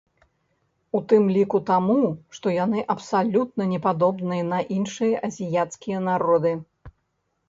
У тым ліку таму, што яны абсалютна не падобныя на іншыя азіяцкія народы.